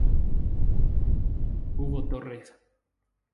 Hugo Torres.